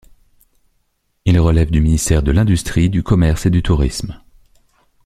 Il relève du ministère de l'Industrie, du Commerce et du Tourisme.